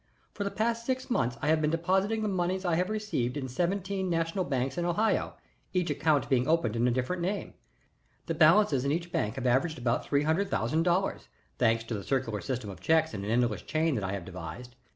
For the past six months I have been depositing the moneys I have received in seventeen national banks in Ohio, each account being opened in a different name. The balances in each bank have averaged about three hundred thousand dollars, thanks to a circular system of checks in an endless chain that I have devised.